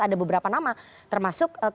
ada beberapa nama termasuk